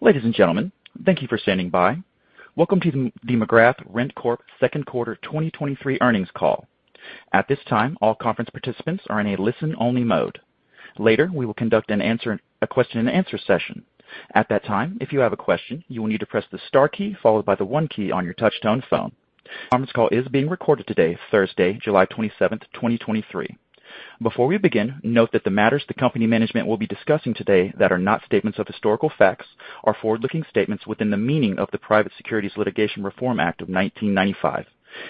Ladies and gentlemen, thank you for standing by. Welcome to the McGrath RentCorp second quarter 2023 earnings call. At this time, all conference participants are in a listen-only mode. Later, we will conduct a question-and-answer session. At that time, if you have a question, you will need to press the star key followed by the one key on your touchtone phone. Conference call is being recorded today, Thursday, July 27th, 2023. Before we begin, note that the matters the company management will be discussing today that are not statements of historical facts are forward-looking statements within the meaning of the Private Securities Litigation Reform Act of 1995,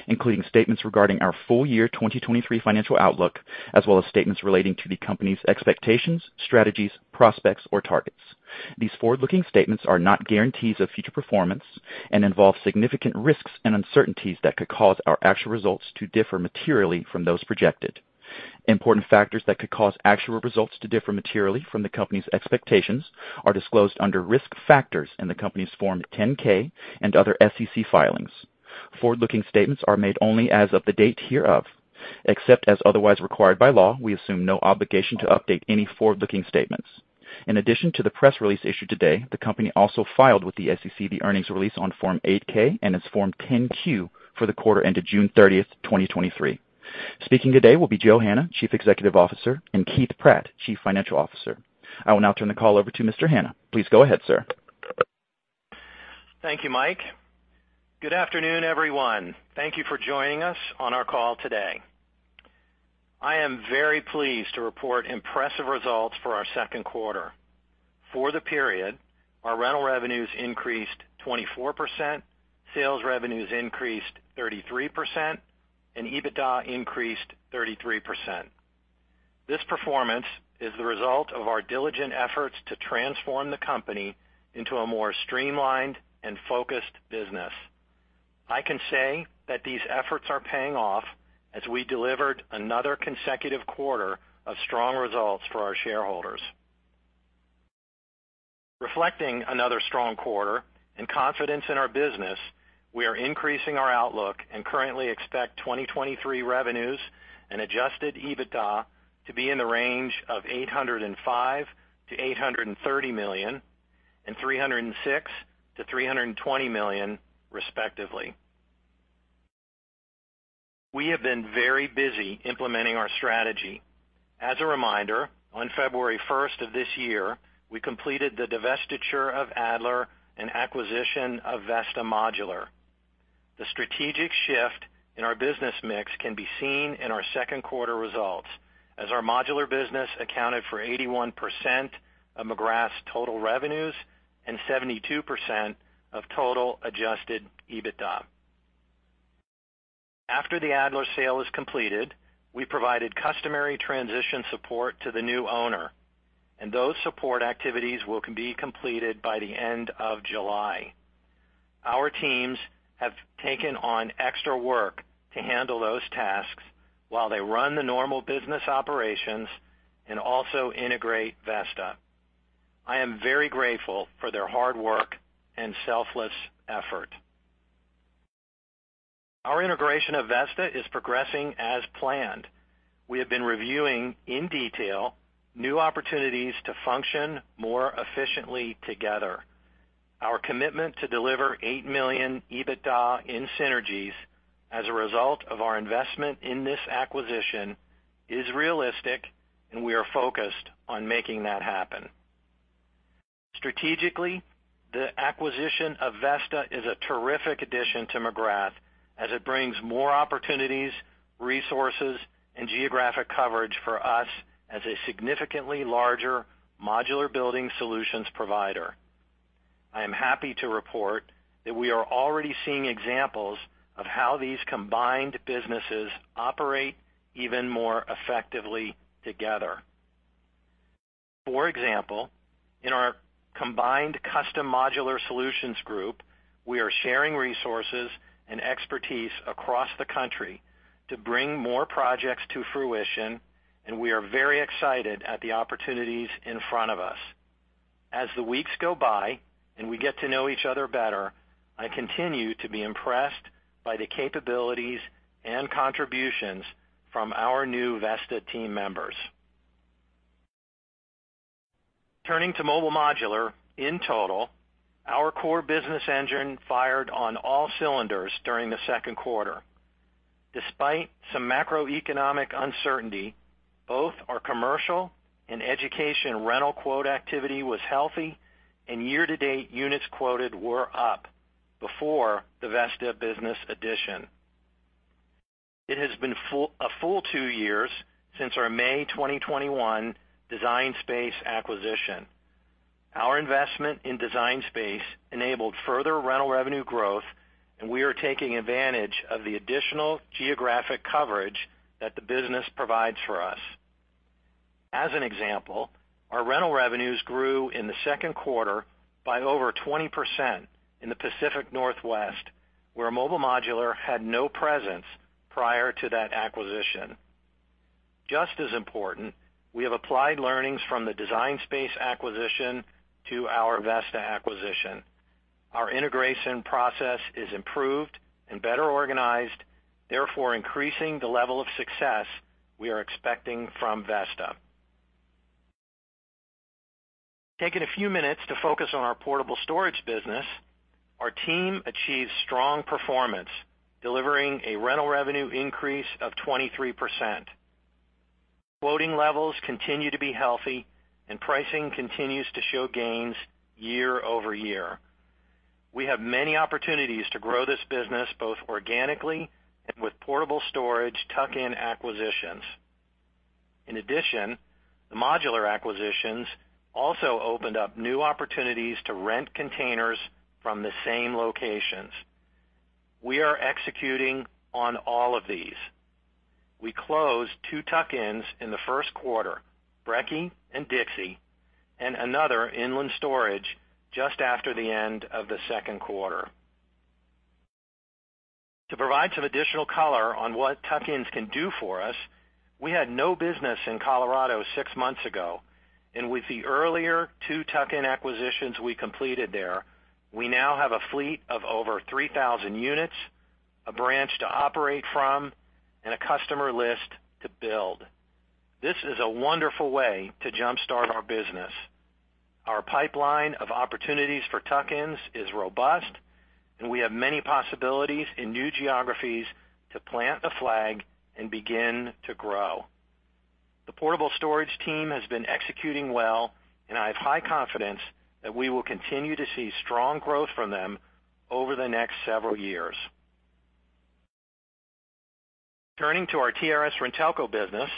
including statements regarding our full year 2023 financial outlook, as well as statements relating to the company's expectations, strategies, prospects, or targets. These forward-looking statements are not guarantees of future performance and involve significant risks and uncertainties that could cause our actual results to differ materially from those projected. Important factors that could cause actual results to differ materially from the company's expectations are disclosed under Risk Factors in the company's Form 10-K and other SEC filings. Forward-looking statements are made only as of the date hereof. Except as otherwise required by law, we assume no obligation to update any forward-looking statements. In addition to the press release issued today, the company also filed with the SEC the earnings release on Form 8-K and its Form 10-Q for the quarter ended June 30th, 2023. Speaking today will be Joe Hanna, chief executive officer, and Keith Pratt, chief financial officer. I will now turn the call over to Mr. Hanna. Please go ahead, sir. Thank you, Mike. Good afternoon, everyone. Thank you for joining us on our call today. I am very pleased to report impressive results for our second quarter. For the period, our rental revenues increased 24%, sales revenues increased 33%, and EBITDA increased 33%. This performance is the result of our diligent efforts to transform the company into a more streamlined and focused business. I can say that these efforts are paying off as we delivered another consecutive quarter of strong results for our shareholders. Reflecting another strong quarter and confidence in our business, we are increasing our outlook and currently expect 2023 revenues and adjusted EBITDA to be in the range of $805 million-$830 million, and $306 million-$320 million, respectively. We have been very busy implementing our strategy. As a reminder, on February 1st of this year, we completed the divestiture of Adler and acquisition of Vesta Modular. The strategic shift in our business mix can be seen in our second quarter results, as our modular business accounted for 81% of McGrath's total revenues and 72% of total adjusted EBITDA. After the Adler sale is completed, we provided customary transition support to the new owner, and those support activities will be completed by the end of July. Our teams have taken on extra work to handle those tasks while they run the normal business operations and also integrate Vesta. I am very grateful for their hard work and selfless effort. Our integration of Vesta is progressing as planned. We have been reviewing, in detail, new opportunities to function more efficiently together. Our commitment to deliver $8 million EBITDA in synergies as a result of our investment in this acquisition is realistic, we are focused on making that happen. Strategically, the acquisition of VESTA is a terrific addition to McGrath as it brings more opportunities, resources, and geographic coverage for us as a significantly larger modular building solutions provider. I am happy to report that we are already seeing examples of how these combined businesses operate even more effectively together. For example, in our combined custom modular solutions group, we are sharing resources and expertise across the country to bring more projects to fruition, we are very excited at the opportunities in front of us. As the weeks go by and we get to know each other better, I continue to be impressed by the capabilities and contributions from our new VESTA team members. Turning to Mobile Modular, in total, our core business engine fired on all cylinders during the second quarter. Despite some macroeconomic uncertainty, both our commercial and education rental quote activity was healthy, and year-to-date units quoted were up before the VESTA business addition. It has been a full two years since our May 2021 Design Space acquisition. Our investment in Design Space enabled further rental revenue growth, we are taking advantage of the additional geographic coverage that the business provides for us. As an example, our rental revenues grew in the second quarter by over 20% in the Pacific Northwest, where Mobile Modular had no presence prior to that acquisition. Just as important, we have applied learnings from the Design Space acquisition to our VESTA acquisition. Our integration process is improved and better organized, therefore increasing the level of success we are expecting from VESTA. Taking a few minutes to focus on our portable storage business, our team achieved strong performance, delivering a rental revenue increase of 23%. Quoting levels continue to be healthy, and pricing continues to show gains year-over-year. We have many opportunities to grow this business, both organically and with portable storage tuck-in acquisitions. In addition, the modular acquisitions also opened up new opportunities to rent containers from the same locations. We are executing on all of these. We closed two tuck-ins in the first quarter, Brekke and Dixie, and another Inland Storage just after the end of the second quarter. To provide some additional color on what tuck-ins can do for us, we had no business in Colorado six months ago, and with the earlier two tuck-in acquisitions we completed there, we now have a fleet of over 3,000 units, a branch to operate from, and a customer list to build. This is a wonderful way to jumpstart our business. Our pipeline of opportunities for tuck-ins is robust, and we have many possibilities in new geographies to plant the flag and begin to grow. The portable storage team has been executing well, and I have high confidence that we will continue to see strong growth from them over the next several years. Turning to our TRS-RenTelco business,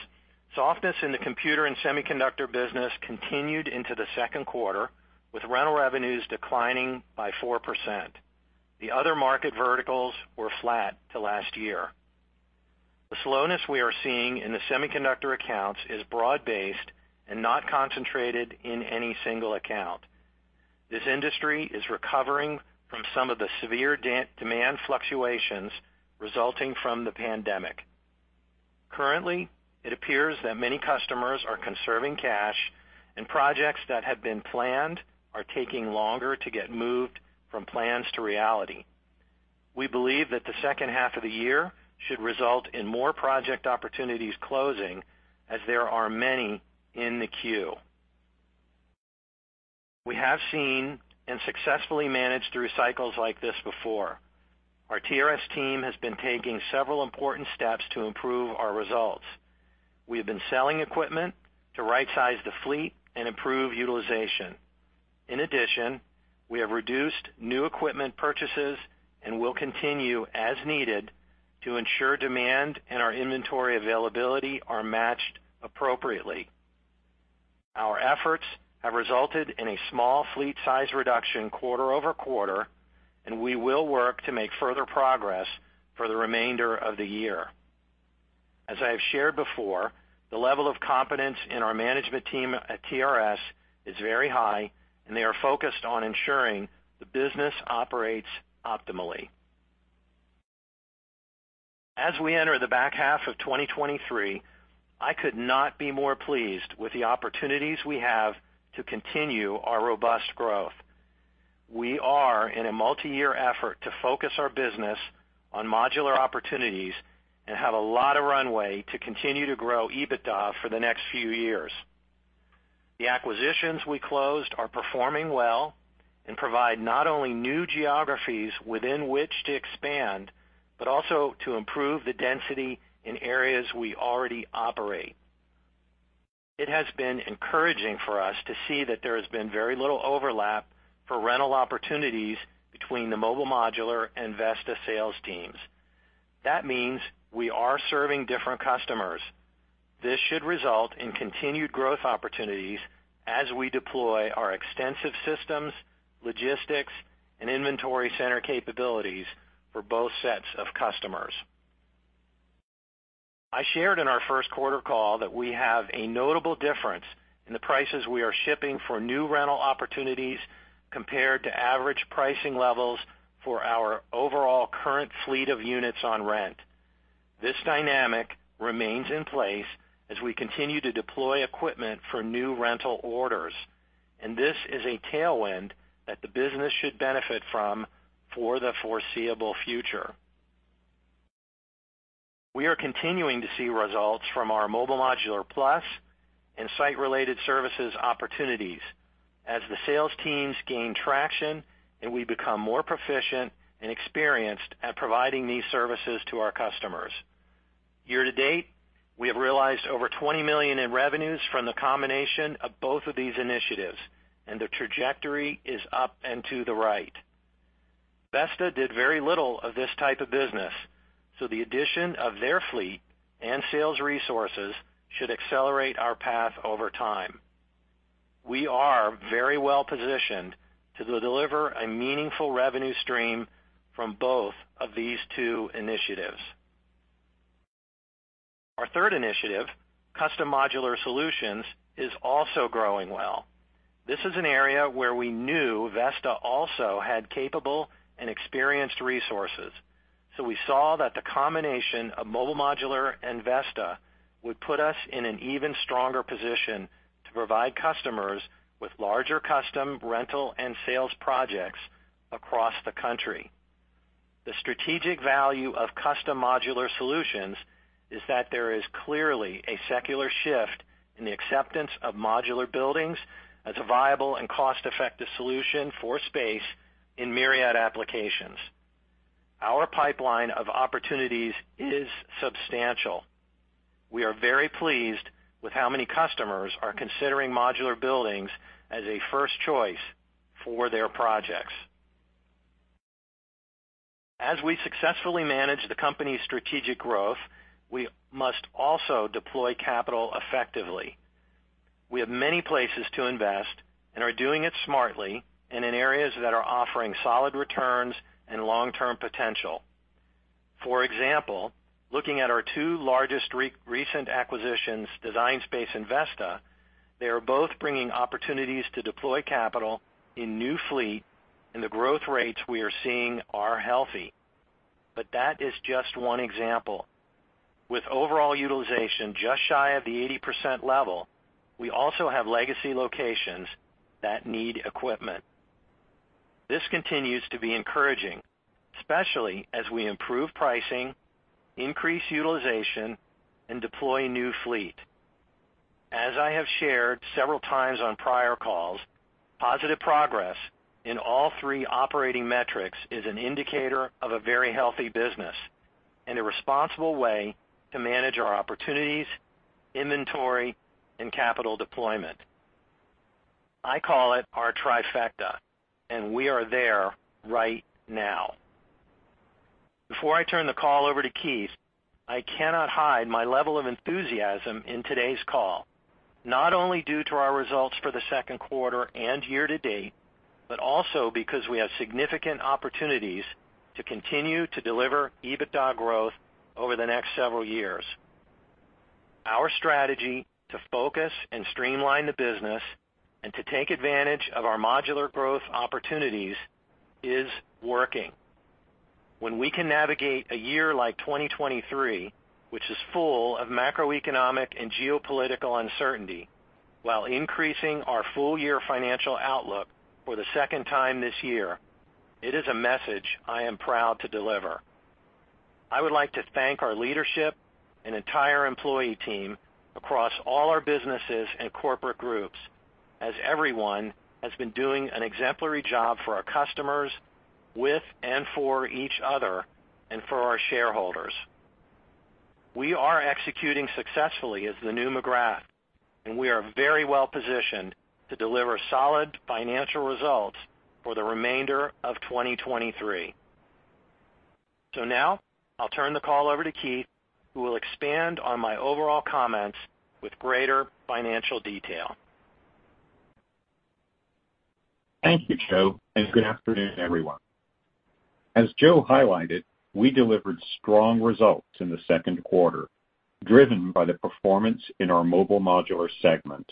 softness in the computer and semiconductor business continued into the second quarter, with rental revenues declining by 4%. The other market verticals were flat to last year. The slowness we are seeing in the semiconductor accounts is broad-based and not concentrated in any single account. This industry is recovering from some of the severe demand fluctuations resulting from the pandemic. Currently, it appears that many customers are conserving cash, and projects that have been planned are taking longer to get moved from plans to reality. We believe that the second half of the year should result in more project opportunities closing as there are many in the queue. We have seen and successfully managed through cycles like this before. Our TRS team has been taking several important steps to improve our results. We have been selling equipment to rightsize the fleet and improve utilization. In addition, we have reduced new equipment purchases and will continue as needed to ensure demand and our inventory availability are matched appropriately. Our efforts have resulted in a small fleet size reduction quarter-over-quarter, and we will work to make further progress for the remainder of the year. As I have shared before, the level of confidence in our management team at TRS is very high, and they are focused on ensuring the business operates optimally. As we enter the back half of 2023, I could not be more pleased with the opportunities we have to continue our robust growth. We are in a multiyear effort to focus our business on modular opportunities and have a lot of runway to continue to grow EBITDA for the next few years. The acquisitions we closed are performing well and provide not only new geographies within which to expand, but also to improve the density in areas we already operate. It has been encouraging for us to see that there has been very little overlap for rental opportunities between the Mobile Modular and VESTA sales teams. That means we are serving different customers. This should result in continued growth opportunities as we deploy our extensive systems, logistics, and inventory center capabilities for both sets of customers. I shared in our first quarter call that we have a notable difference in the prices we are shipping for new rental opportunities compared to average pricing levels for our overall current fleet of units on rent. This dynamic remains in place as we continue to deploy equipment for new rental orders, and this is a tailwind that the business should benefit from for the foreseeable future. We are continuing to see results from our Mobile Modular Plus and site-related services opportunities as the sales teams gain traction, and we become more proficient and experienced at providing these services to our customers. Year-to-date, we have realized over $20 million in revenues from the combination of both of these initiatives. The trajectory is up and to the right. VESTA did very little of this type of business. The addition of their fleet and sales resources should accelerate our path over time. We are very well-positioned to deliver a meaningful revenue stream from both of these two initiatives. Our third initiative, Custom Modular Solutions, is also growing well. This is an area where we knew VESTA also had capable and experienced resources. We saw that the combination of Mobile Modular and VESTA would put us in an even stronger position to provide customers with larger custom, rental, and sales projects across the country. The strategic value of Custom Modular Solutions is that there is clearly a secular shift in the acceptance of modular buildings as a viable and cost-effective solution for space in myriad applications. Our pipeline of opportunities is substantial. We are very pleased with how many customers are considering modular buildings as a first choice for their projects. As we successfully manage the company's strategic growth, we must also deploy capital effectively. We have many places to invest and are doing it smartly and in areas that are offering solid returns and long-term potential. For example, looking at our two largest recent acquisitions, Design Space and VESTA, they are both bringing opportunities to deploy capital in new fleet, and the growth rates we are seeing are healthy. That is just one example. With overall utilization just shy of the 80% level, we also have legacy locations that need equipment. This continues to be encouraging, especially as we improve pricing, increase utilization, and deploy new fleet. As I have shared several times on prior calls, positive progress in all three operating metrics is an indicator of a very healthy business and a responsible way to manage our opportunities, inventory, and capital deployment. I call it our trifecta, and we are there right now. Before I turn the call over to Keith, I cannot hide my level of enthusiasm in today's call, not only due to our results for the second quarter and year-to-date, but also because we have significant opportunities to continue to deliver EBITDA growth over the next several years. Our strategy to focus and streamline the business and to take advantage of our modular growth opportunities is working. When we can navigate a year like 2023, which is full of macroeconomic and geopolitical uncertainty, while increasing our full year financial outlook for the second time this year, it is a message I am proud to deliver. I would like to thank our leadership and entire employee team across all our businesses and corporate groups, as everyone has been doing an exemplary job for our customers, with and for each other, and for our shareholders. We are executing successfully as the new McGrath, and we are very well-positioned to deliver solid financial results for the remainder of 2023. Now I'll turn the call over to Keith, who will expand on my overall comments with greater financial detail. Thank you, Joe. Good afternoon, everyone. As Joe highlighted, we delivered strong results in the second quarter, driven by the performance in our Mobile Modular segment.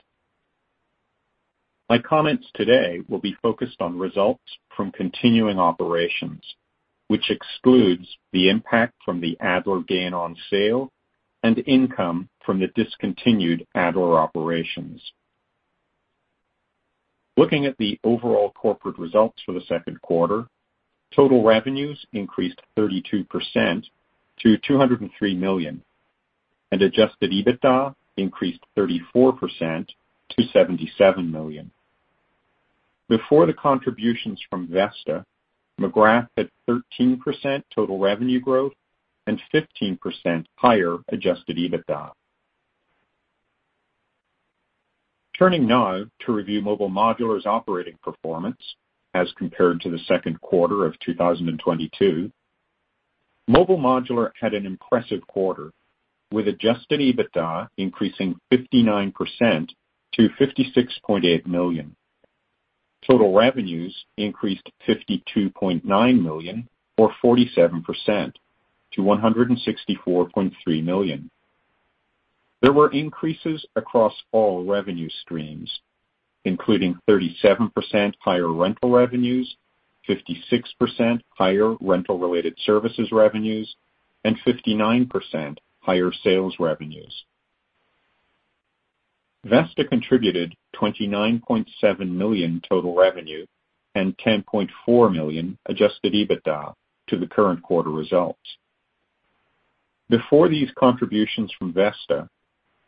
My comments today will be focused on results from continuing operations, which excludes the impact from the Adler gain on sale and income from the discontinued Adler operations. Looking at the overall corporate results for the second quarter, total revenues increased 32% to $203 million. Adjusted EBITDA increased 34% to $77 million. Before the contributions from VESTA, McGrath had 13% total revenue growth and 15% higher adjusted EBITDA. Turning now to review Mobile Modular's operating performance as compared to the second quarter of 2022. Mobile Modular had an impressive quarter, with adjusted EBITDA increasing 59% to $56.8 million. Total revenues increased to $52.9 million, or 47% to $164.3 million. There were increases across all revenue streams, including 37% higher rental revenues, 56% higher rental-related services revenues, and 59% higher sales revenues. VESTA contributed $29.7 million total revenue and $10.4 million adjusted EBITDA to the current quarter results. Before these contributions from VESTA,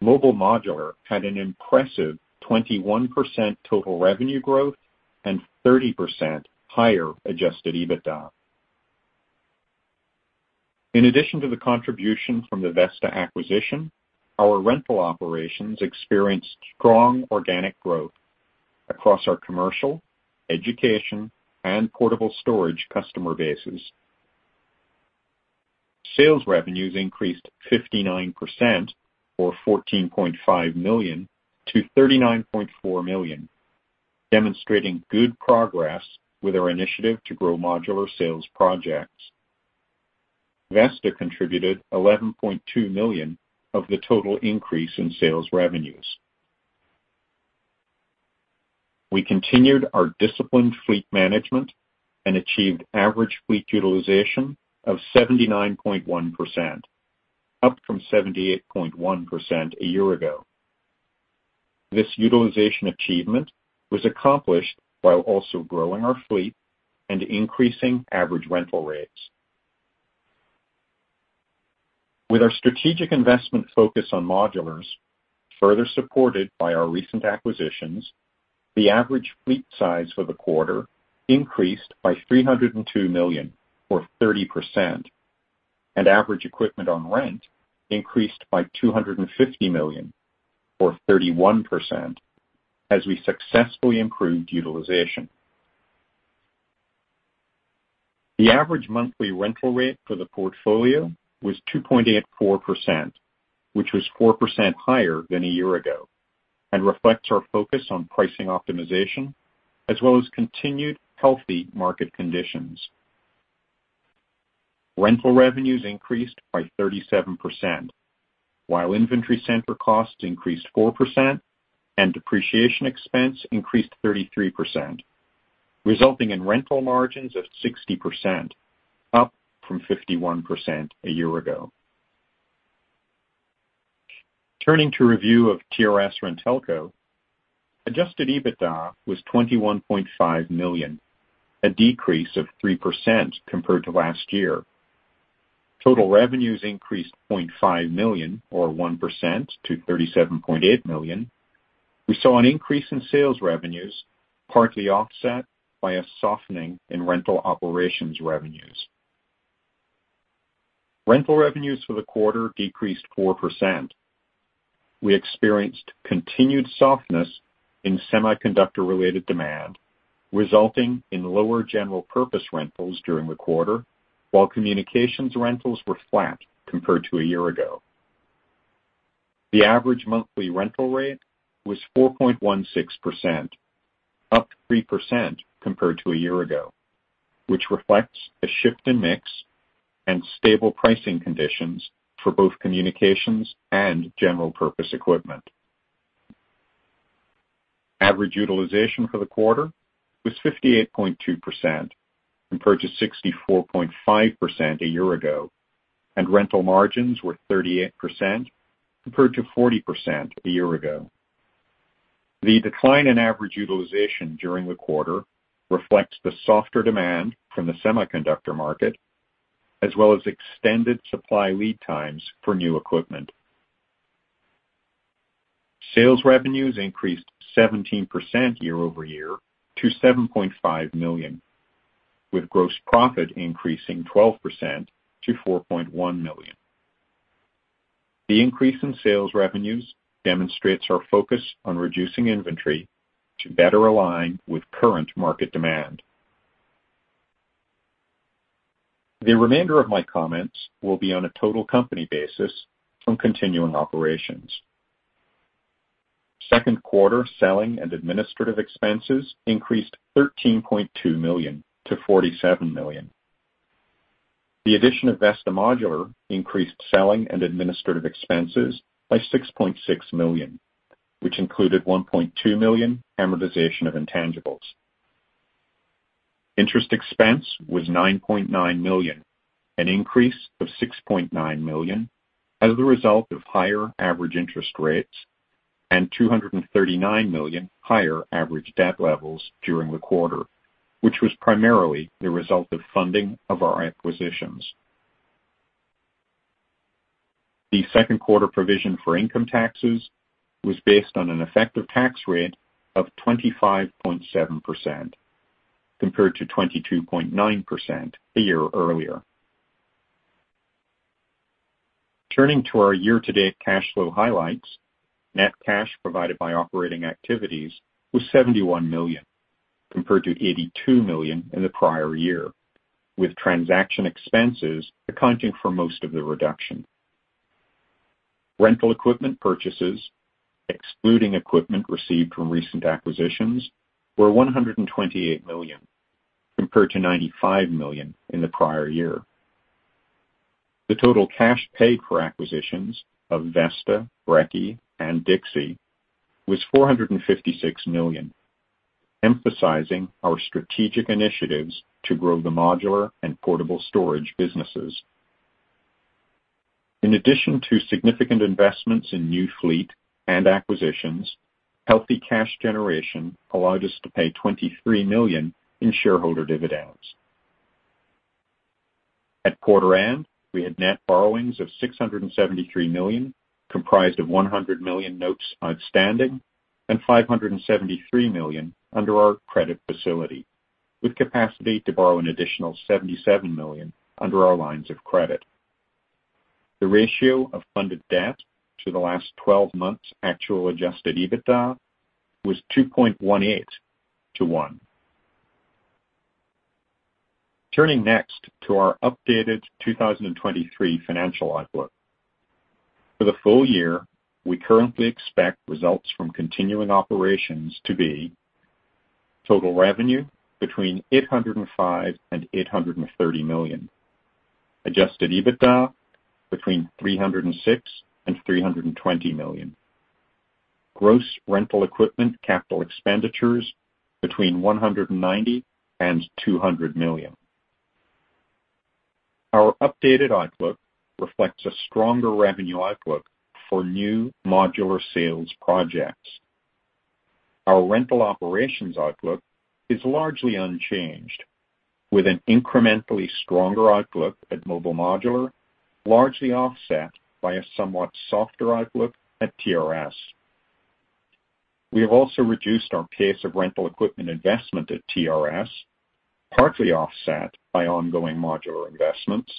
Mobile Modular had an impressive 21% total revenue growth and 30% higher adjusted EBITDA. In addition to the contribution from the VESTA acquisition, our rental operations experienced strong organic growth across our commercial, education, and portable storage customer bases. Sales revenues increased 59%, or $14.5 million, to $39.4 million, demonstrating good progress with our initiative to grow modular sales projects. VESTA contributed $11.2 million of the total increase in sales revenues. We continued our disciplined fleet management and achieved average fleet utilization of 79.1%, up from 78.1% a year ago. This utilization achievement was accomplished while also growing our fleet and increasing average rental rates. With our strategic investment focus on modulars, further supported by our recent acquisitions, the average fleet size for the quarter increased by $302 million, or 30%, and average equipment on rent increased by $250 million, or 31%, as we successfully improved utilization. The average monthly rental rate for the portfolio was 2.84%, which was 4% higher than a year ago, and reflects our focus on pricing optimization as well as continued healthy market conditions. Rental revenues increased by 37%, while inventory center costs increased 4% and depreciation expense increased 33%, resulting in rental margins of 60%, up from 51% a year ago. Turning to review of TRS-RenTelco. Adjusted EBITDA was $21.5 million, a decrease of 3% compared to last year. Total revenues increased $0.5 million, or 1% to $37.8 million. We saw an increase in sales revenues, partly offset by a softening in rental operations revenues. Rental revenues for the quarter decreased 4%. We experienced continued softness in semiconductor-related demand, resulting in lower general purpose rentals during the quarter, while communications rentals were flat compared to a year ago. The average monthly rental rate was 4.16%, up 3% compared to a year ago, which reflects a shift in mix and stable pricing conditions for both communications and general purpose equipment. Average utilization for the quarter was 58.2% compared to 64.5% a year ago, and rental margins were 38% compared to 40% a year ago. The decline in average utilization during the quarter reflects the softer demand from the semiconductor market, as well as extended supply lead times for new equipment. Sales revenues increased 17% year-over-year to $7.5 million, with gross profit increasing 12% to $4.1 million. The increase in sales revenues demonstrates our focus on reducing inventory to better align with current market demand. The remainder of my comments will be on a total company basis from continuing operations. Second quarter selling and administrative expenses increased $13.2 million to $47 million. The addition of VESTA Modular increased selling and administrative expenses by $6.6 million, which included $1.2 million amortization of intangibles. Interest expense was $9.9 million, an increase of $6.9 million as a result of higher average interest rates and $239 million higher average debt levels during the quarter, which was primarily the result of funding of our acquisitions. The second quarter provision for income taxes was based on an effective tax rate of 25.7%, compared to 22.9% a year earlier. Turning to our year-to-date cash flow highlights. Net cash provided by operating activities was $71 million, compared to $82 million in the prior year, with transaction expenses accounting for most of the reduction. Rental equipment purchases, excluding equipment received from recent acquisitions, were $128 million, compared to $95 million in the prior year. The total cash paid for acquisitions of VESTA, Brekke, and Dixie was $456 million, emphasizing our strategic initiatives to grow the modular and portable storage businesses. In addition to significant investments in new fleet and acquisitions, healthy cash generation allowed us to pay $23 million in shareholder dividends. At quarter end, we had net borrowings of $673 million, comprised of $100 million notes outstanding and $573 million under our credit facility, with capacity to borrow an additional $77 million under our lines of credit. The ratio of funded debt to the last 12 months actual adjusted EBITDA was 2.18 to 1. Turning next to our updated 2023 financial outlook. For the full year, we currently expect results from continuing operations to be: total revenue between $805 million and $830 million, adjusted EBITDA between $306 million and $320 million. Gross rental equipment capital expenditures between $190 million and $200 million. Our updated outlook reflects a stronger revenue outlook for new modular sales projects. Our rental operations outlook is largely unchanged, with an incrementally stronger outlook at Mobile Modular, largely offset by a somewhat softer outlook at TRS. We have also reduced our pace of rental equipment investment at TRS, partly offset by ongoing modular investments,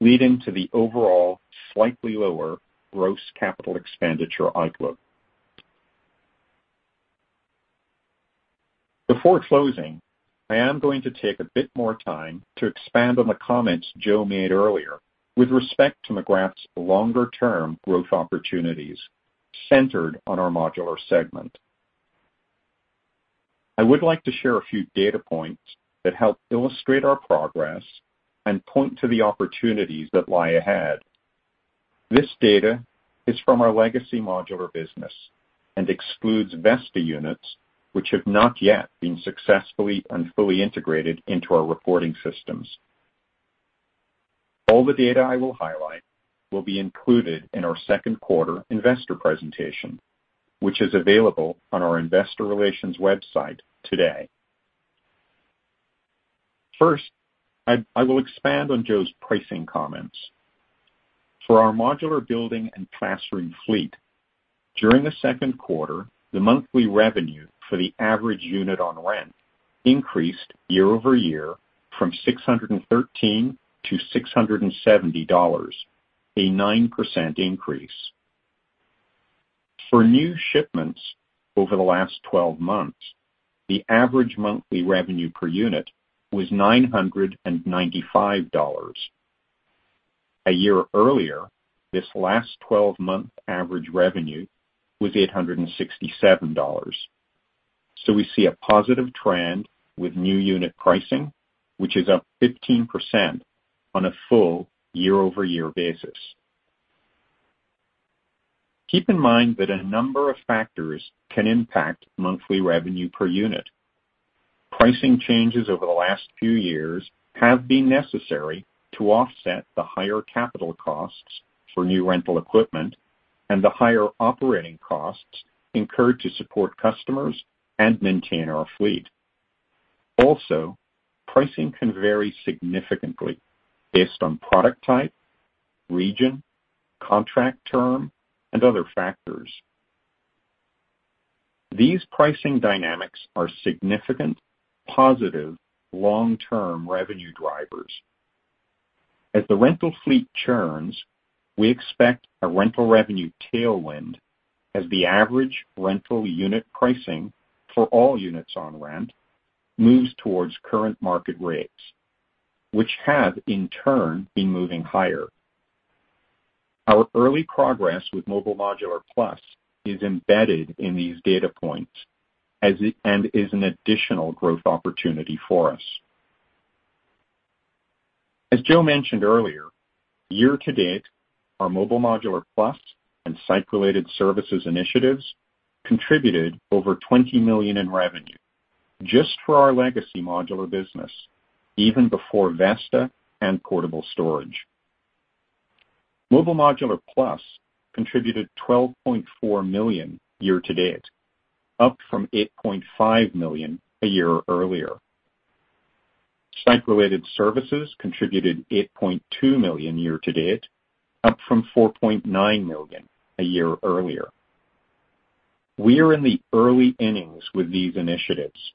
leading to the overall slightly lower gross capital expenditure outlook. Before closing, I am going to take a bit more time to expand on the comments Joe made earlier with respect to McGrath's longer-term growth opportunities centered on our modular segment. I would like to share a few data points that help illustrate our progress and point to the opportunities that lie ahead. This data is from our legacy modular business and excludes VESTA units, which have not yet been successfully and fully integrated into our reporting systems. All the data I will highlight will be included in our second quarter investor presentation, which is available on our investor relations website today. First, I will expand on Joe's pricing comments. For our modular building and classroom fleet, during the second quarter, the monthly revenue for the average unit on rent increased year-over-year from $613 to $670, a 9% increase. For new shipments over the last 12 months, the average monthly revenue per unit was $995. A year earlier, this last 12-month average revenue was $867. We see a positive trend with new unit pricing, which is up 15% on a full year-over-year basis. Keep in mind that a number of factors can impact monthly revenue per unit. Pricing changes over the last few years have been necessary to offset the higher capital costs for new rental equipment and the higher operating costs incurred to support customers and maintain our fleet. Pricing can vary significantly based on product type, region, contract term, and other factors. These pricing dynamics are significant, positive, long-term revenue drivers. As the rental fleet churns, we expect a rental revenue tailwind as the average rental unit pricing for all units on rent moves towards current market rates, which have, in turn, been moving higher. Our early progress with Mobile Modular Plus is embedded in these data points and is an additional growth opportunity for us. As Joe mentioned earlier, year to date, our Mobile Modular Plus and site-related services initiatives contributed over $20 million in revenue just for our legacy modular business, even before VESTA and Portable Storage. Mobile Modular Plus contributed $12.4 million year-to-date, up from $8.5 million a year earlier. Site-related services contributed $8.2 million year-to-date, up from $4.9 million a year earlier. We are in the early innings with these initiatives,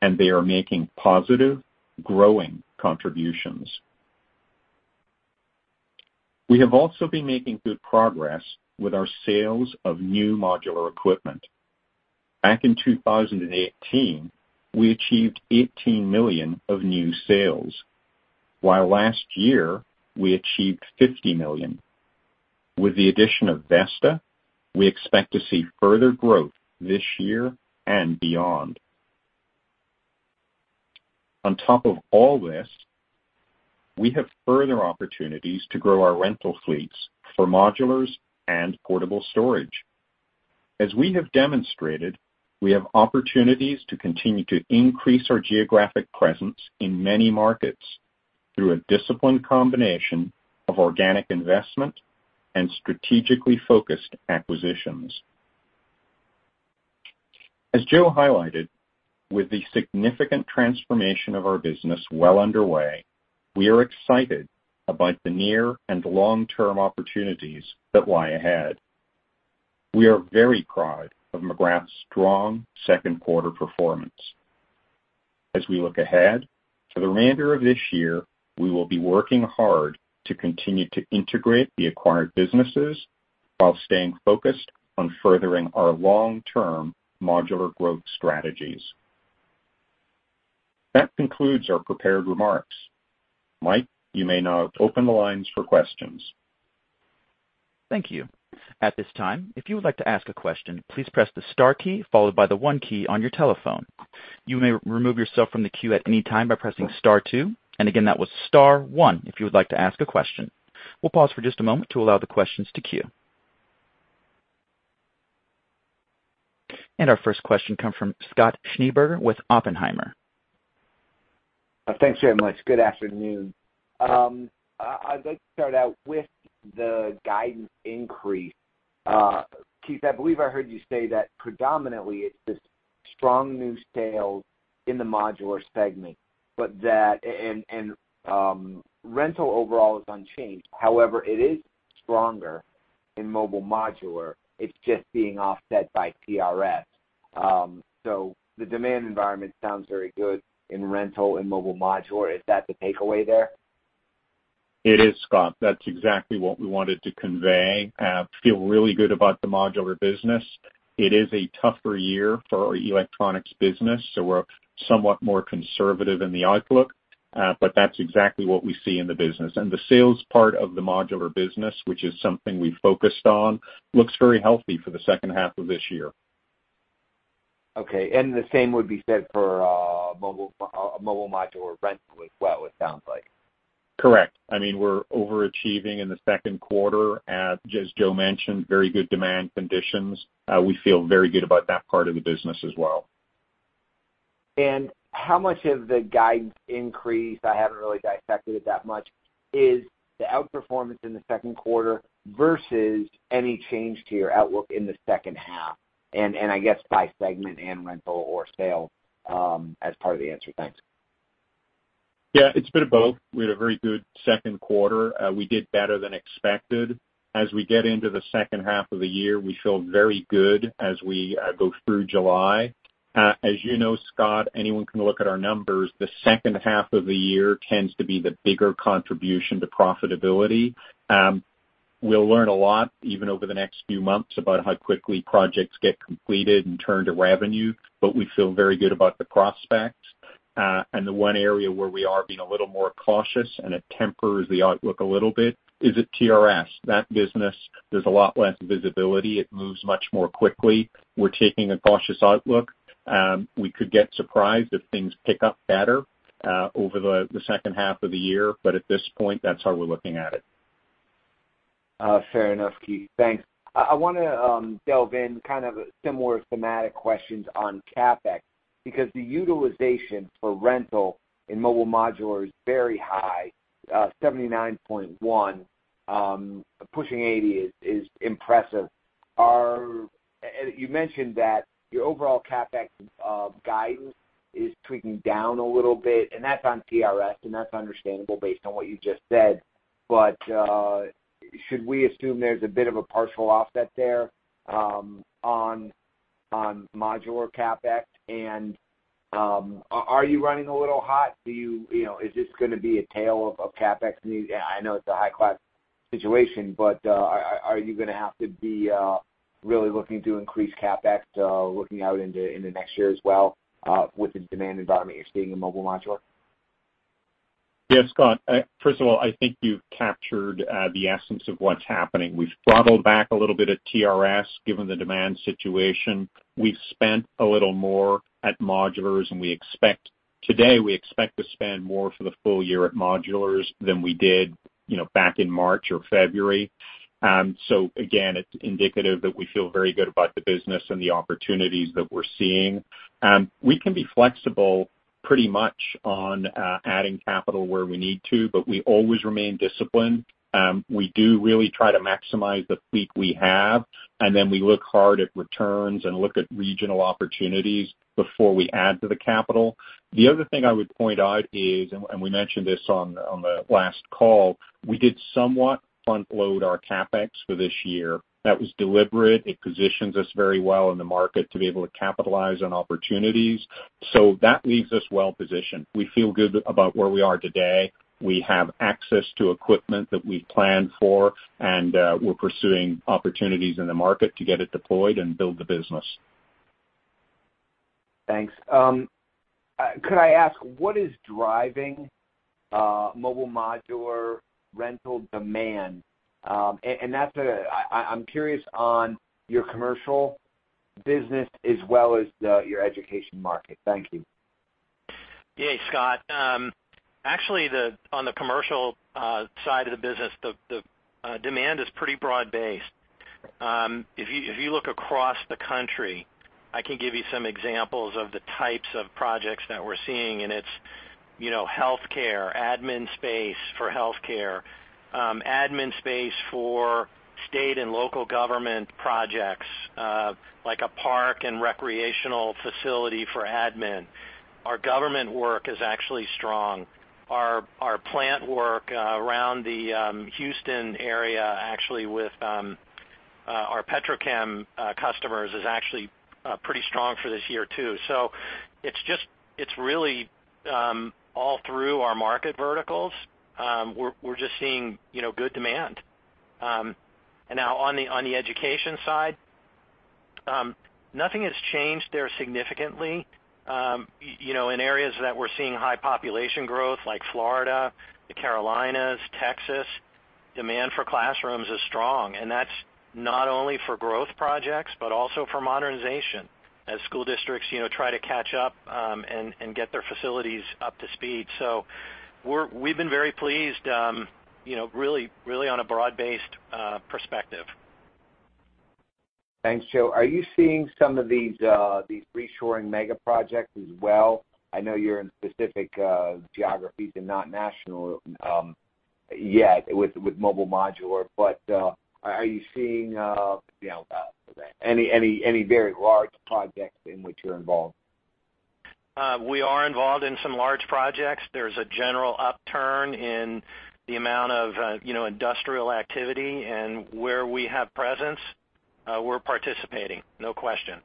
and they are making positive, growing contributions. We have also been making good progress with our sales of new modular equipment. Back in 2018, we achieved $18 million of new sales, while last year, we achieved $50 million. With the addition of VESTA, we expect to see further growth this year and beyond. On top of all this, we have further opportunities to grow our rental fleets for modulars and portable storage. As we have demonstrated, we have opportunities to continue to increase our geographic presence in many markets through a disciplined combination of organic investment and strategically focused acquisitions. As Joe highlighted, with the significant transformation of our business well underway, we are excited about the near and long-term opportunities that lie ahead. We are very proud of McGrath's strong second quarter performance. As we look ahead to the remainder of this year, we will be working hard to continue to integrate the acquired businesses while staying focused on furthering our long-term modular growth strategies. That concludes our prepared remarks. Mike, you may now open the lines for questions. Thank you. At this time, if you would like to ask a question, please press the star key followed by the 1 key on your telephone. You may remove yourself from the queue at any time by pressing star 2. Again, that was star 1 if you would like to ask a question. We'll pause for just a moment to allow the questions to queue. Our first question comes from Scott Schneeberger with Oppenheimer. Thanks very much. Good afternoon. I, I'd like to start out with the guidance increase. Keith, I believe I heard you say that predominantly it's just strong new sales in the modular segment, but that- and, and, rental overall is unchanged. However, it is stronger in Mobile Modular. It's just being offset by TRS. The demand environment sounds very good in rental and Mobile Modular. Is that the takeaway there? It is, Scott. That's exactly what we wanted to convey. Feel really good about the modular business. It is a tougher year for our electronics business, so we're somewhat more conservative in the outlook, but that's exactly what we see in the business. The sales part of the modular business, which is something we focused on, looks very healthy for the second half of this year. Okay. The same would be said for Mobile Modular rental as well, it sounds like. Correct. I mean, we're overachieving in the second quarter. As Joe mentioned, very good demand conditions. We feel very good about that part of the business as well. How much of the guide increase, I haven't really dissected it that much, is the outperformance in the second quarter versus any change to your outlook in the second half? And I guess by segment and rental or sale as part of the answer. Thanks. Yeah, it's been both. We had a very good second quarter. We did better than expected. As we get into the second half of the year, we feel very good as we go through July. As you know, Scott, anyone can look at our numbers, the second half of the year tends to be the bigger contribution to profitability. We'll learn a lot, even over the next few months, about how quickly projects get completed and turned to revenue, but we feel very good about the prospects. The one area where we are being a little more cautious, and it tempers the outlook a little bit, is at TRS. That business, there's a lot less visibility. It moves much more quickly. We're taking a cautious outlook. We could get surprised if things pick up better, over the, the second half of the year, but at this point, that's how we're looking at it. Fair enough, Keith. Thanks. I, I wanna delve in kind of similar thematic questions on CapEx, because the utilization for rental in Mobile Modular is very high, 79.1, pushing 80 is impressive. You mentioned that your overall CapEx guidance is tweaking down a little bit and that's on TRS and that's understandable based on what you just said. Should we assume there's a bit of a partial offset there on modular CapEx? Are you running a little hot? You know, is this gonna be a tale of CapEx? I know it's a high-class situation, are you gonna have to be really looking to increase CapEx looking out into next year as well with the demand environment you're seeing in Mobile Modular? Yeah, Scott. First of all, I think you've captured the essence of what's happening. We've throttled back a little bit at TRS, given the demand situation. We've spent a little more at modulars, and we expect today, we expect to spend more for the full year at modulars than we did, you know, back in March or February. Again, it's indicative that we feel very good about the business and the opportunities that we're seeing. We can be flexible pretty much on adding capital where we need to, but we always remain disciplined. We do really try to maximize the fleet we have, and then we look hard at returns and look at regional opportunities before we add to the capital. The other thing I would point out is, we mentioned this on the last call, we did somewhat front-load our CapEx for this year. That was deliberate. It positions us very well in the market to be able to capitalize on opportunities. That leaves us well-positioned. We feel good about where we are today. We have access to equipment that we've planned for, and we're pursuing opportunities in the market to get it deployed and build the business. Thanks. Could I ask, what is driving, Mobile Modular rental demand? And, and that's a... I, I'm curious on your commercial business as well as the, your education market. Thank you. Yeah, Scott. Actually, on the commercial side of the business, the demand is pretty broad-based. If you look across the country, I can give you some examples of the types of projects that we're seeing, and it's, you know, healthcare, admin space for healthcare, admin space for state and local government projects, like a park and recreational facility for admin. Our government work is actually strong. Our plant work around the Houston area, actually, with our petrochem customers, is actually pretty strong for this year, too. It's really all through our market verticals. We're just seeing, you know, good demand. And now on the education side. Nothing has changed there significantly. You know, in areas that we're seeing high population growth, like Florida, the Carolinas, Texas, demand for classrooms is strong, and that's not only for growth projects, but also for modernization, as school districts, you know, try to catch up, and, and get their facilities up to speed. We've been very pleased, you know, really, really on a broad-based perspective. Thanks, Joe. Are you seeing some of these, these reshoring mega projects as well? I know you're in specific geographies and not national, yet with, with Mobile Modular, but are you seeing, you know, any, any, any very large projects in which you're involved? We are involved in some large projects. There's a general upturn in the amount of, you know, industrial activity, and where we have presence, we're participating, no question.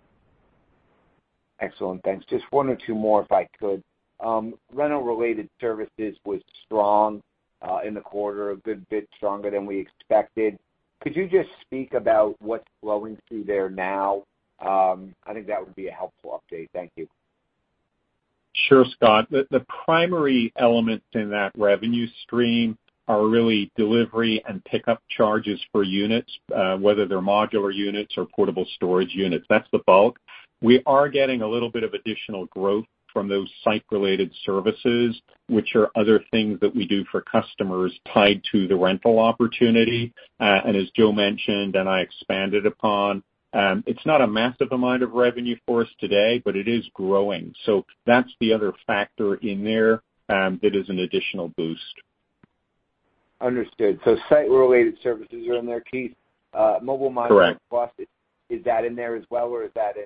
Excellent. Thanks. Just one or two more, if I could. Rental-related services was strong in the quarter, a good bit stronger than we expected. Could you just speak about what's flowing through there now? I think that would be a helpful update. Thank you. Sure, Scott. The, the primary elements in that revenue stream are really delivery and pickup charges for units, whether they're modular units or portable storage units. That's the bulk. We are getting a little bit of additional growth from those site-related services, which are other things that we do for customers tied to the rental opportunity. As Joe mentioned, and I expanded upon, it's not a massive amount of revenue for us today, but it is growing. That's the other factor in there, that is an additional boost. Understood. Site-related services are in there, Keith. Mobile Modular- Correct. Plus, is that in there as well, or is that in,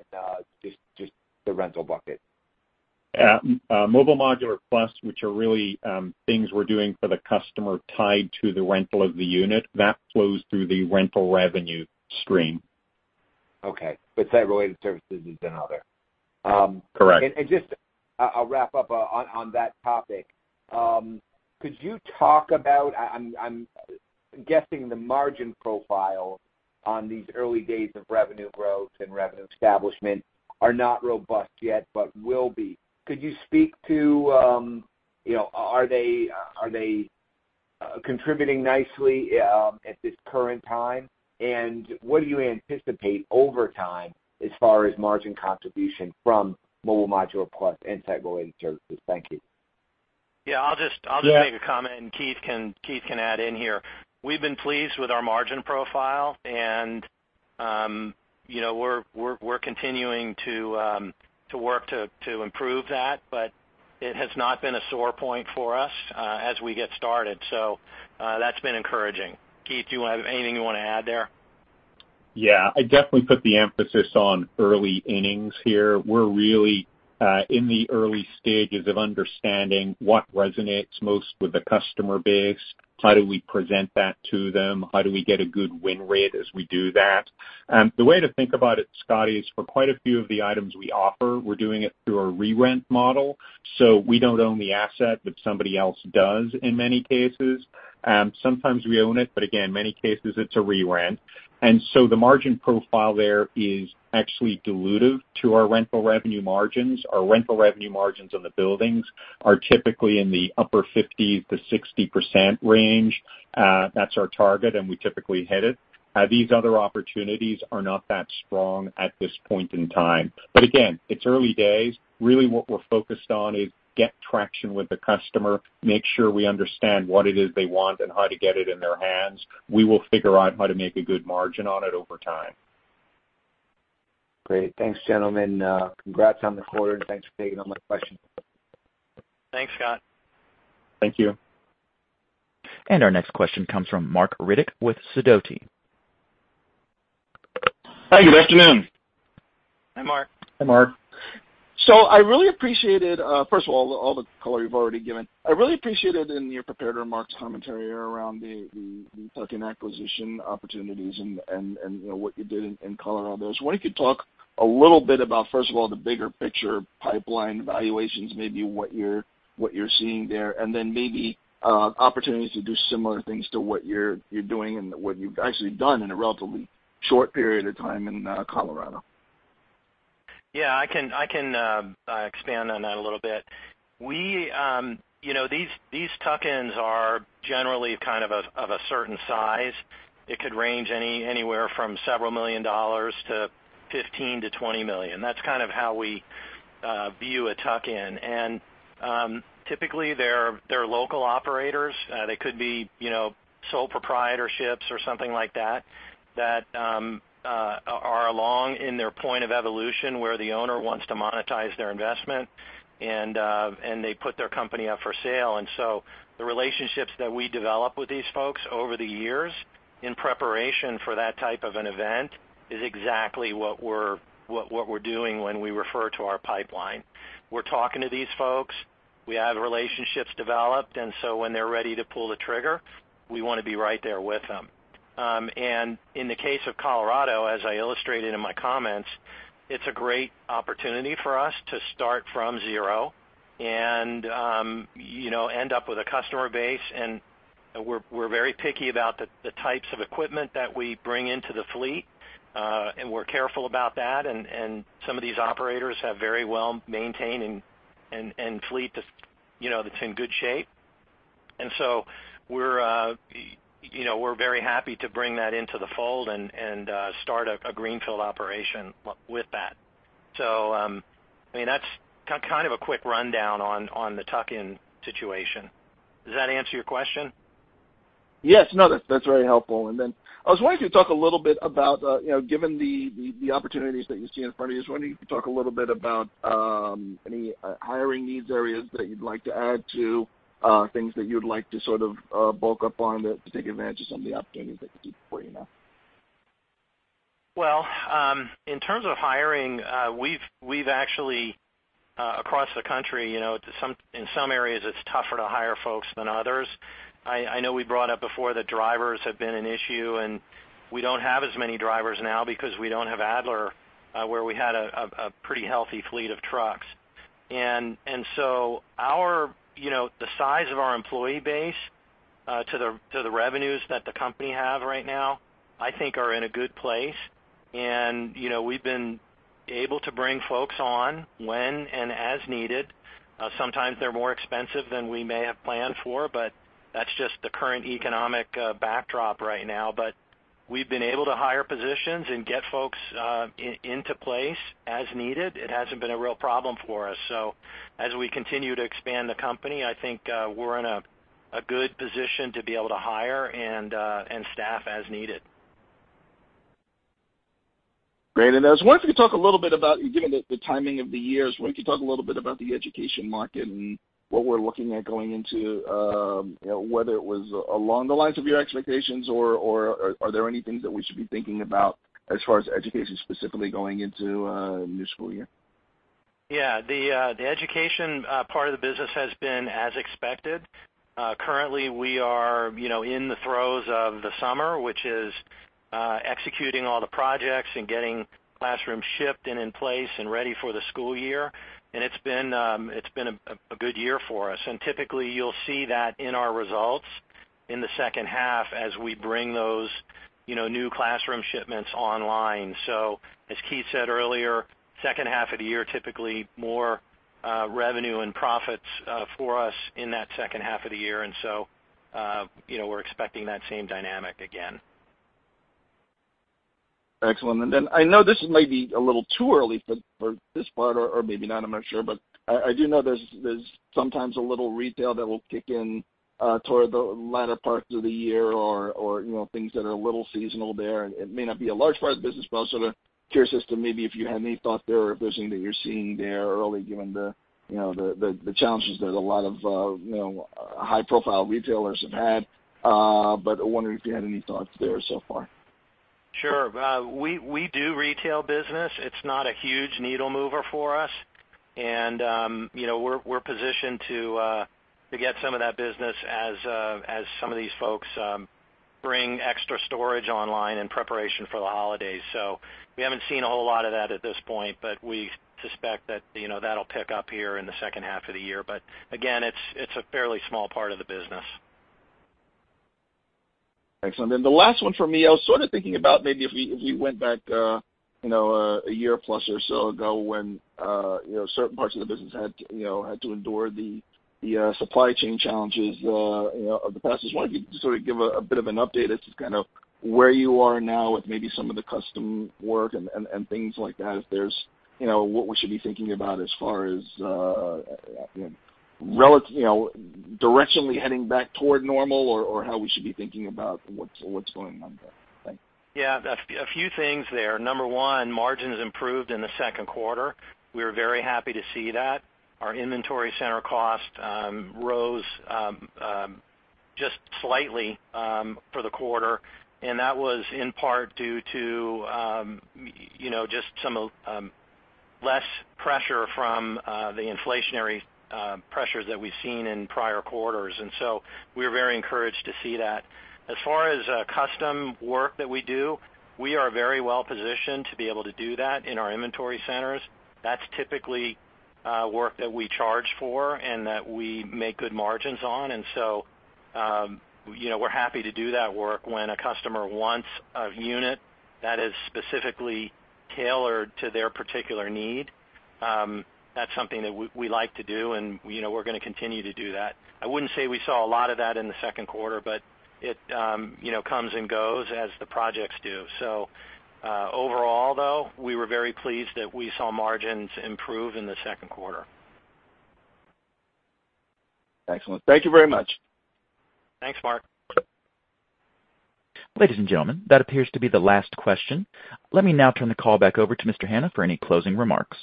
just, just the rental bucket? Mobile Modular Plus, which are really, things we're doing for the customer tied to the rental of the unit, that flows through the rental revenue stream. Okay. Site-related services is another? Correct. Just, I'll wrap up on, on that topic. Could you talk about... I, I'm, I'm guessing the margin profile on these early days of revenue growth and revenue establishment are not robust yet, but will be. Could you speak to, you know, are they, are they contributing nicely at this current time? And what do you anticipate over time, as far as margin contribution from Mobile Modular Plus and site-related services? Thank you. Yeah, I'll just, I'll just make a comment, and Keith can, Keith can add in here. We've been pleased with our margin profile, and, you know, we're, we're, we're continuing to work to improve that, but it has not been a sore point for us, as we get started. That's been encouraging. Keith, do you have anything you want to add there? Yeah. I'd definitely put the emphasis on early innings here. We're really in the early stages of understanding what resonates most with the customer base. How do we present that to them? How do we get a good win rate as we do that? The way to think about it, Scott, is for quite a few of the items we offer, we're doing it through a re-rent model, so we don't own the asset, but somebody else does, in many cases. Sometimes we own it, but again, many cases it's a re-rent. So the margin profile there is actually dilutive to our rental revenue margins. Our rental revenue margins on the buildings are typically in the upper 50%-60% range. That's our target, and we typically hit it. These other opportunities are not that strong at this point in time. Again, it's early days. Really, what we're focused on is get traction with the customer, make sure we understand what it is they want and how to get it in their hands. We will figure out how to make a good margin on it over time. Great. Thanks, gentlemen. Congrats on the quarter, thanks for taking all my questions. Thanks, Scott. Thank you. Our next question comes from Marc Riddick with Sidoti. Hi, good afternoon. Hi, Marc. Hi, Marc. I really appreciated, first of all, all the color you've already given. I really appreciated in your prepared remarks commentary around the, the, the tuck-in acquisition opportunities and, and, and, you know, what you did in, in Colorado. Wonder if you could talk a little bit about, first of all, the bigger picture pipeline valuations, maybe what you're, what you're seeing there, and then maybe opportunities to do similar things to what you're, you're doing and what you've actually done in a relatively short period of time in Colorado. Yeah, I can, I can expand on that a little bit. We, you know, these, these tuck-ins are generally kind of a, of a certain size. It could range anywhere from several million dollars to $15 million-$20 million. That's kind of how we view a tuck-in. Typically, they're local operators. They could be, you know, sole proprietorships or something like that, that are along in their point of evolution, where the owner wants to monetize their investment and they put their company up for sale. The relationships that we develop with these folks over the years, in preparation for that type of an event, is exactly what we're doing when we refer to our pipeline. We're talking to these folks. We have relationships developed, and so when they're ready to pull the trigger, we want to be right there with them. In the case of Colorado, as I illustrated in my comments. It's a great opportunity for us to start from zero and, you know, end up with a customer base. We're, we're very picky about the, the types of equipment that we bring into the fleet, and we're careful about that. Some of these operators have very well maintained and fleet that, you know, that's in good shape. We're, you know, we're very happy to bring that into the fold and start a greenfield operation with that. I mean, that's kind of a quick rundown on, on the tuck-in situation. Does that answer your question? Yes. No, that's, that's very helpful. Then I was wondering if you could talk a little bit about, you know, given the, the, the opportunities that you see in front of you, I was wondering if you could talk a little bit about, any hiring needs areas that you'd like to add to, things that you'd like to sort of, bulk up on to take advantage of some of the opportunities that you see before you now? Well, in terms of hiring, we've, we've actually, across the country, you know, in some areas, it's tougher to hire folks than others. I, I know we brought up before that drivers have been an issue, and we don't have as many drivers now because we don't have Adler, where we had a, a, a pretty healthy fleet of trucks. So our, you know, the size of our employee base, to the, to the revenues that the company have right now, I think are in a good place. You know, we've been able to bring folks on when and as needed. Sometimes they're more expensive than we may have planned for, but that's just the current economic backdrop right now. We've been able to hire positions and get folks into place as needed. It hasn't been a real problem for us. As we continue to expand the company, I think, we're in a, a good position to be able to hire and, and staff as needed. Great. I was wondering if you could talk a little bit about, given the, the timing of the year, I was wondering if you could talk a little bit about the education market and what we're looking at going into, you know, whether it was along the lines of your expectations, or, or are there any things that we should be thinking about as far as education, specifically going into the new school year? Yeah, the, the education, part of the business has been as expected. Currently, we are, you know, in the throes of the summer, which is, executing all the projects and getting classrooms shipped and in place and ready for the school year. It's been, it's been a, a good year for us. Typically, you'll see that in our results in the second half as we bring those, you know, new classroom shipments online. As Keith said earlier, second half of the year, typically more, revenue and profits, for us in that second half of the year. You know, we're expecting that same dynamic again. Excellent. Then I know this may be a little too early for, for this part, or maybe not, I'm not sure. I, I do know there's, there's sometimes a little retail that will kick in, toward the latter parts of the year or, or, you know, things that are a little seasonal there. It may not be a large part of the business, but I was sort of curious as to maybe if you had any thought there or if there's anything that you're seeing there early, given the, you know, the, the, the challenges that a lot of, you know, high-profile retailers have had. I wondering if you had any thoughts there so far? Sure. We, we do retail business. It's not a huge needle mover for us, and, you know, we're, we're positioned to get some of that business as some of these folks bring extra storage online in preparation for the holidays. We haven't seen a whole lot of that at this point, but we suspect that, you know, that'll pick up here in the second half of the year. Again, it's, it's a fairly small part of the business. Excellent. Then the last one for me, I was sort of thinking about maybe if we, if we went back, you know, a year plus or so ago when, you know, certain parts of the business had, you know, had to endure the, the, supply chain challenges, you know, of the past. I was wondering if you could sort of give a bit of an update as to kind of where you are now with maybe some of the custom work and, and, and things like that, if there's, you know, what we should be thinking about as far as, you know, directionally heading back toward normal or, or how we should be thinking about what's, what's going on there? Thanks. Yeah, a few things there. Number one, margins improved in the second quarter. We were very happy to see that. Our inventory center cost rose just slightly for the quarter. That was in part due to, you know, just some less pressure from the inflationary pressures that we've seen in prior quarters. We're very encouraged to see that. As far as custom work that we do, we are very well-positioned to be able to do that in our inventory centers. That's typically work that we charge for and that we make good margins on. You know, we're happy to do that work when a customer wants a unit that is specifically tailored to their particular need, that's something that we, we like to do, and, you know, we're gonna continue to do that. I wouldn't say we saw a lot of that in the second quarter, but it, you know, comes and goes as the projects do. Overall, though, we were very pleased that we saw margins improve in the second quarter. Excellent. Thank you very much. Thanks, Marc. Ladies and gentlemen, that appears to be the last question. Let me now turn the call back over to Mr. Hanna for any closing remarks.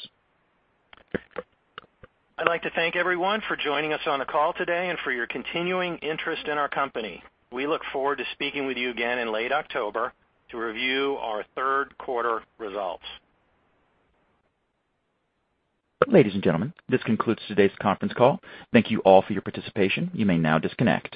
I'd like to thank everyone for joining us on the call today and for your continuing interest in our company. We look forward to speaking with you again in late October to review our third quarter results. Ladies and gentlemen, this concludes today's conference call. Thank you all for your participation. You may now disconnect.